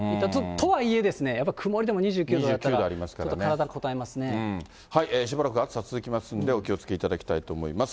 とはいえ、やっぱり曇りでも２９度あったら、しばらく暑さ続きますんで、お気をつけいただきたいと思います。